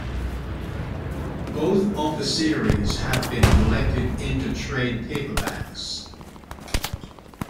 Both of the series have been collected into trade paperbacks.